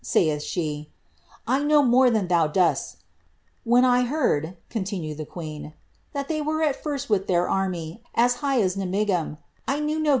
saiih she, ' 1 know more than thou dosL Whet t J rd,' continued the queen. ' that thev were at first with their army, ■ high as Nemighsm, I kn grave).